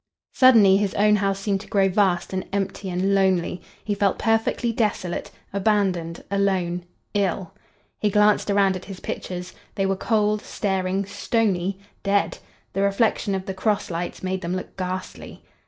Suddenly his own house seemed to grow vast and empty and lonely; he felt perfectly desolate,—abandoned—alone—ill! He glanced around at his pictures. They were cold, staring, stony, dead! The reflection of the cross lights made them look ghastly.